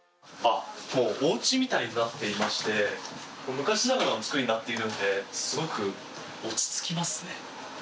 おうちみたいになっていまして昔ながらの作りになっているのですごく落ち着きますね。